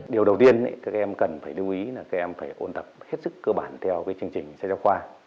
điều đầu tiên các em cần phải lưu ý là các em phải ôn tập hết sức cơ bản theo cái chương trình xe châu khoa